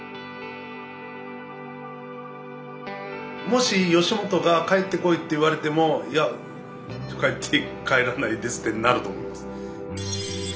もし吉本が「帰ってこい」って言われても「いや」とか言って「帰らないです」ってなると思うんです。